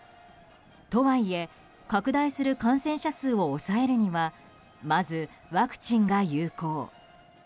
とはいえ、拡大する感染者数を抑えるにはまずワクチンが有効。